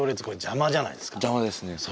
これ邪魔じゃないですか邪魔ですね